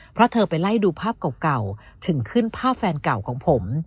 เพราะเธอไปไล่ดูภาพเก่าถึงขึ้นภาพแฟนเก่าของผม